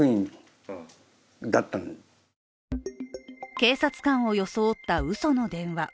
警察官を装ったうその電話。